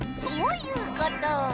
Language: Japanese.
そういうこと！